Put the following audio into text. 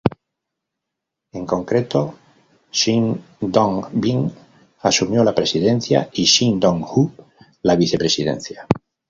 En concreto, Shin Dong-bin asumió la presidencia y Shin Dong-joo la vicepresidencia.